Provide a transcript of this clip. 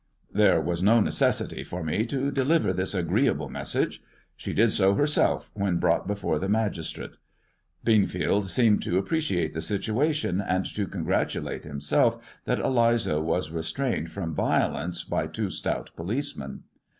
There was no necessity for me to deliver this agreeable message. She did so herself when brought before the magistrate. Beanfield seemed to appreciate the situation, and to congratulate himself that Eliza was restrained from violence by two stout policemen.